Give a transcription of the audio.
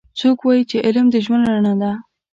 څوک وایي چې علم د ژوند رڼا ده